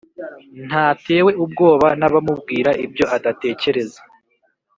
Ntatewe ubwoba n’abamubwira ibyo adatekereza